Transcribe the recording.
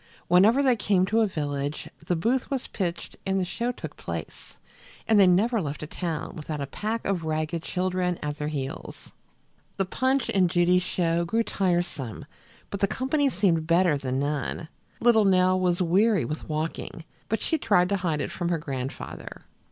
Whenever they came to a village, the booth was pitched and the show took place, and they never left a town without a pack of ragged children at their heels. The Punch and Judy show grew tiresome, but the company seemed better than none. Little Nell was weary with walking, but she tried to hide it from her grandfather.